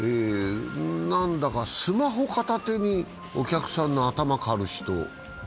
何だかスマホ片手にお客さんの頭を刈る人。